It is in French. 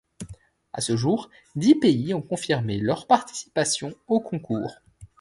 À ce jour, dix pays ont confirmé leur participation au concours.